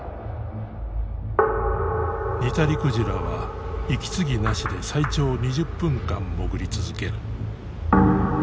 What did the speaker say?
ニタリクジラは息継ぎなしで最長２０分間潜り続ける。